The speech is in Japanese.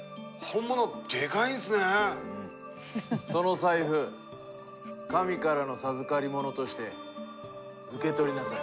その財布神からの授かりものとして受け取りなさい。